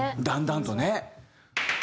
だんだんとね。